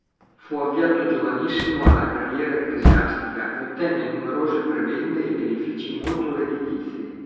Fu avviato giovanissimo alla carriera ecclesiastica e ottenne numerose prebende e benefici molto redditizi.